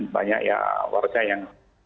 banyak warga yang kirim logistik